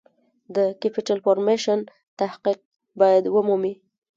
د Capital Formation تحقق باید ومومي.